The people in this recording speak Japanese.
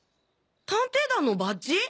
探偵団のバッジ！？